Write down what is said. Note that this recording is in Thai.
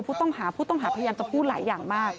ผู้ต้องหาผู้ต้องหาพยายามจะพูดหลายอย่างมาก